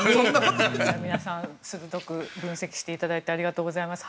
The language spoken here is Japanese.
皆さん鋭く分析していただいてありがとうございます。